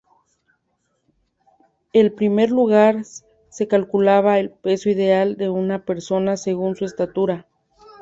En primer lugar, se calculaba el peso ideal de una persona según su estatura.